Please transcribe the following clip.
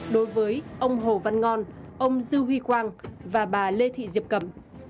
đối với ông hồ văn ngon ông dư huy quang và bà lê thị diệp cầm